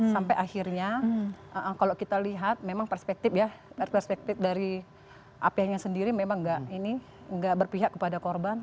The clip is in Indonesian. sampai akhirnya kalau kita lihat memang perspektif ya perspektif dari aph nya sendiri memang nggak berpihak kepada korban